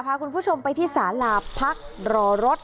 พาคุณผู้ชมไปที่สาลาพักรอรถ